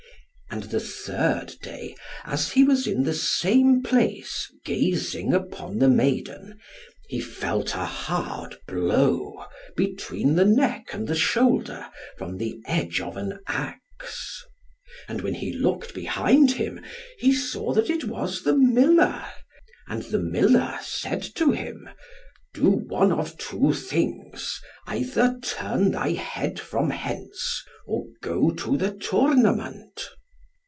And the third day, as he was in the same place, gazing upon the maiden, he felt a hard blow between the neck and the shoulder, from the edge of an axe. And when he looked behind him, he saw that it was the miller; and the miller said to him, "Do one of two things: either turn thy head from hence, or go to the tournament."